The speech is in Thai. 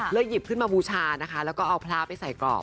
หยิบขึ้นมาบูชานะคะแล้วก็เอาพระไปใส่เกาะ